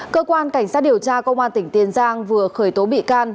cơ quan cảnh sát điều tra công an tỉnh tiền giang vừa khởi tố bị can